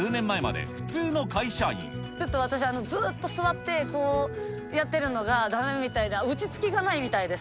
ちょっと、私、ずっと座ってやってるのがだめみたいな、落ち着きがないみたいです。